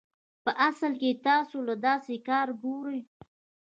پۀ اصل کښې تاسو له داسې کار ګوري